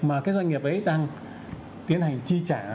mà cái doanh nghiệp ấy đang tiến hành chi trả